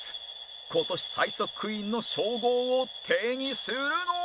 今年最速クイーンの称号を手にするのは？